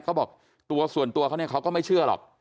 เขาบอกตัวส่วนตัวเขาเนี่ยเขาก็ไม่เชื่อหรอก